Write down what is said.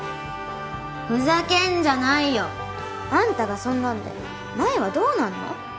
ふざけんじゃないよあんたがそんなんで麻衣はどうなんの？